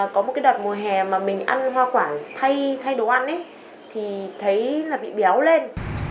có một đợt mùa hè mà mình ăn hoa quả thay đồ ăn thì thấy bị béo lên